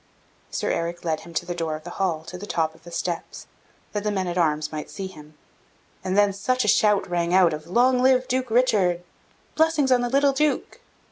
Sir Eric led him to the door of the hall to the top of the steps, that the men at arms might see him; and then such a shout rang out of "Long live Duke Richard!" "Blessings on the little Duke!"